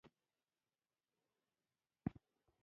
د ګرېنټ په نوم د لمر ضد عینکو تولید شرکت جوړ شو.